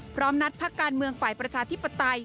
พร้อมนัดพักการเมืองฝ่ายประชาธิปไตย